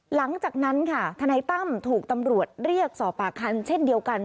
หลังจากนั้นค่ะทนายตั้มถูกตำรวจเรียกสอบปากคำเช่นเดียวกัน